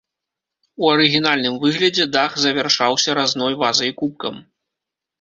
У арыгінальным выглядзе дах завяршаўся разной вазай-кубкам.